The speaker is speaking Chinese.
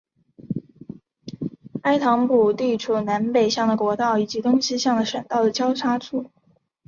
埃唐普地处南北向的国道以及东西向的省道的交叉处。